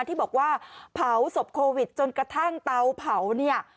ที่บอกว่าเผาศพโควิดจนกระทั่งเตาเผาเนี่ย